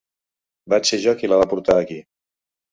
Vaig ser jo qui la va portar aquí.